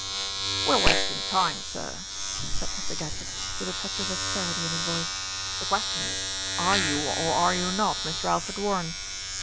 "We are wasting time, sir," said Mr. Gadgett, with a touch of asperity in his voice. "The question is, are you or are you not Mr. Alfred Warren?"